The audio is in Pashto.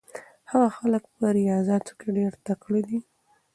هغه هلک په ریاضیاتو کې ډېر تکړه دی.